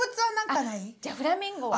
あっじゃあフラミンゴは？